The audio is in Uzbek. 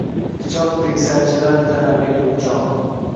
Pichoqdek sanchilar tanamga bu jon